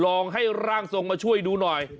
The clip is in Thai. ลองให้ร่างทรงมาช่วยดูหน่อย